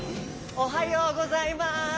おはようございます。